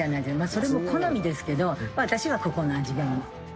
それも好みですけど、私はここの味がいい。